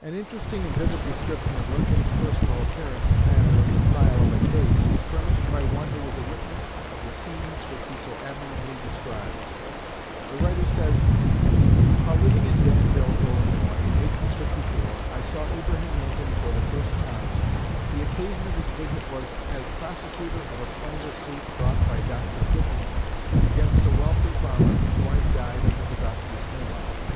An interesting and vivid description of Lincoln's personal appearance and manner in the trial of a case is furnished by one who was a witness of the scenes which he so admirably describes. The writer says: "While living in Danville, Illinois, in 1854, I saw Abraham Lincoln for the first time. The occasion of his visit was as prosecutor of a slander suit brought by Dr. Fithian against a wealthy farmer whose wife died under the doctor's hands.